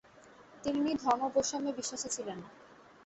তিনি ধর্ম বৈষম্যে বিশ্বাসী ছিলেন না।